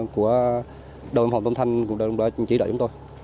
của đồng bộ phòng tam thành đồng bộ chỉ đợi chúng tôi